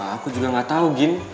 aku juga gak tahu gin